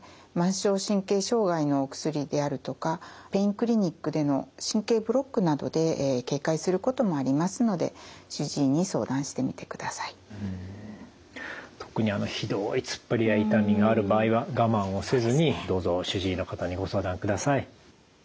末梢神経障害のお薬であるとかペインクリニックでの神経ブロックなどで軽快することもありますので特にひどいつっぱりや痛みがある場合は我慢をせずにどうぞ主治医の方にご相談ください。